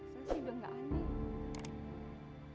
saya sih udah gak aneh